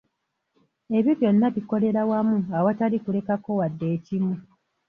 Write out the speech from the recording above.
Ebyo byonna bikolera wamu awatali kulekako wadde ekimu.